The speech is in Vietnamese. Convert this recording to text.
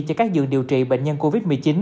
cho các giường điều trị bệnh nhân covid một mươi chín